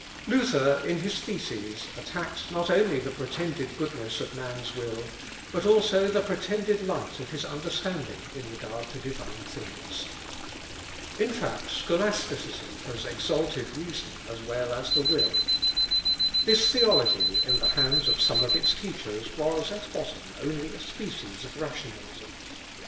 Luther, in his theses, attacked not only the pretended goodness of man's will, but also the pretended light of his understanding in regard to divine things. In fact, scholasticism had exalted reason as well as the will. This theology, in the hands of some of its teachers, was, at bottom, only a species of rationalism.